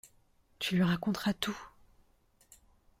Tu lui raconteras tout…